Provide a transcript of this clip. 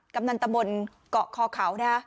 กำนันตมนต์เกาะคอเขาเลยค่ะ